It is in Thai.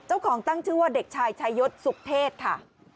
เจ้าของตั้งชื่อว่าเด็กชายชายศสุขเทศค่ะ